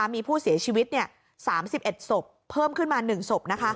มีผู้เสียชีวิต๓๑ศพเพิ่มขึ้นมา๑ศพ